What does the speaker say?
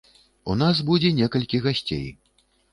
У нас будзе некалькі гасцей.